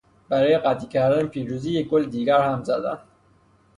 برای قطعی کردن پیروزی یک گل دیگر هم زدند.